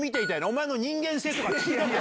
お前の人間性とか聞きたくない。